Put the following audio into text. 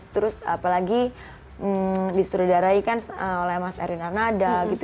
terus apalagi disuruh darahi kan oleh mas erin arnada gitu